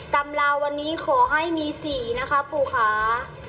ตำราววันนี้ขอให้มีสี่นะคะปู่ค้า